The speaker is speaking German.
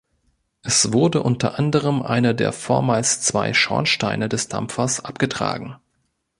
Es wurde unter anderem einer der vormals zwei Schornsteine des Dampfers abgetragen.